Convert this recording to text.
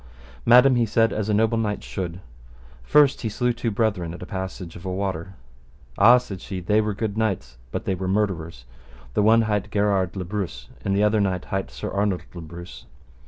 Madam, he said, as a noble knight should. First, he slew two brethren at a passage of a water. Ah! said she, they were good knights, but they were murderers, the one hight Gherard le Breuse, and the other knight hight Sir Arnold le Breuse.